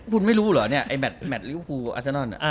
คุณไม่รู้หรอเนี่ยแมทลิวฟูอัธแนล